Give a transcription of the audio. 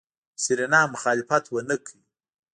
سېرېنا مخالفت ونکړ.